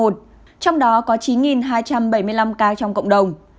trong đó có chín hai trăm bảy mươi năm ca trong cộng đồng